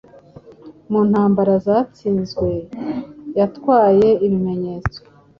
Mu ntambara zatsinzwe yatwaye ibimenyetso